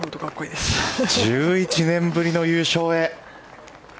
１１年ぶりの優勝へ。